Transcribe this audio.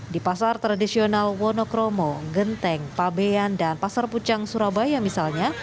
di pasar tradisional wonokromo genteng pabean dan pasar pucang surabaya misalnya